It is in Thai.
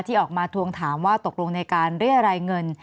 ออกมาทวงถามว่าตกลงในการเรียรายเงิน